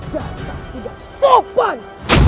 dasar tidak sopan